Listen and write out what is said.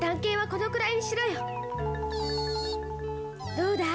どうだい？